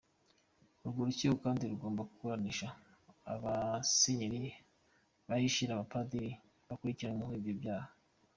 Urwo rukiko kandi rugomba kuburanisha abasenyeri bahishira abapadiri bakurikiranyweho ibyo byaha.